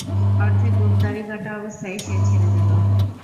অর্ধেক গোঁফ-দাড়ি কাটা অবস্থায় সে ছেড়ে দিলো।